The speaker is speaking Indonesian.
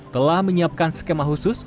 telah menyiapkan skema khusus